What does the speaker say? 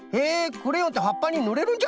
クレヨンってはっぱにぬれるんじゃな。